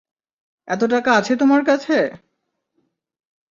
এত টাকা আছে তোমার কাছে?